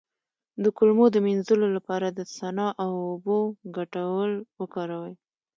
د کولمو د مینځلو لپاره د سنا او اوبو ګډول وکاروئ